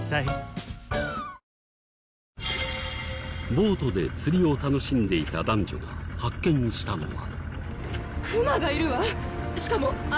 ボートで釣りを楽しんでいた男女が発見したのは。